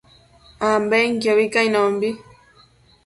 ambenquiobi cainombi